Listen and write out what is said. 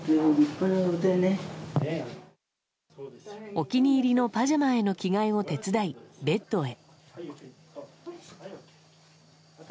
お気に入りのパジャマへの着替えを手伝い、ベッドへ。